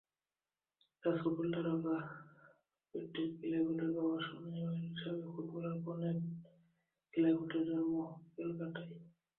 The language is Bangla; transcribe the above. ডাচ ফুটবল তারকা প্যাট্রিক ক্লাইভার্টের বাবা সুরিনামের সাবেক ফুটবলার কেনেথ ক্লাইভার্টের জন্ম ক্যালকাটায়।